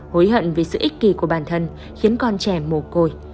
hối hận vì sự ích kỳ của bản thân khiến con trẻ mồ côi